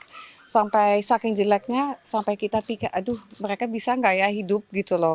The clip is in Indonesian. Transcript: tapi sampai saking jeleknya sampai kita pikir aduh mereka bisa nggak ya hidup gitu loh